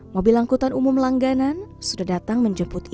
mobil angkutan umum langganan sudah datang menjemputnya